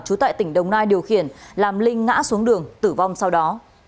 trú tại tỉnh đồng nai điều khiển làm linh ngã xuống đường tử vong sau đó